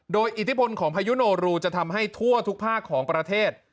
โดยอิทธิพลของพายุโนรูจะทำให้ทั่วทุกภาคของประเทศ